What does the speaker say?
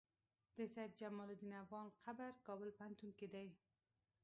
د سيد جمال الدين افغان قبر کابل پوهنتون کی دی